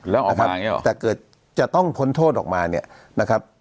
แล้วออกมาแต่เกิดจะต้องพ้นโทษออกมาเนี่ยนะครับ